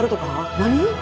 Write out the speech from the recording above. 何？